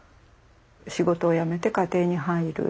仕事をやめて家庭に入る。